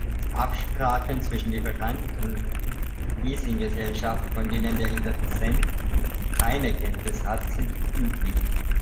Absprachen zwischen Lieferant und Leasinggesellschaft, von denen der Interessent keine Kenntnis hat, sind üblich.